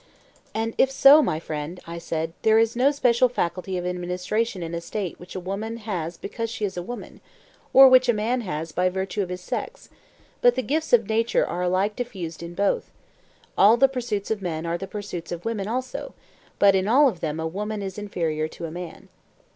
And if so, my friend, I said, there is no special faculty of administration in a state which a woman has because she is a woman, or which a man has by virtue of his sex, but the gifts of nature are alike diffused in both; all the pursuits of men are the pursuits of women also, but in all of them a woman is inferior to a man.